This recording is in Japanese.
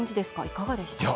いかがでした？